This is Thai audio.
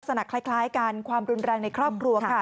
ลักษณะคล้ายกันความรุนแรงในครอบครัวค่ะ